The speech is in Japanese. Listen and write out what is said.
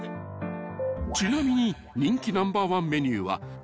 ［ちなみに］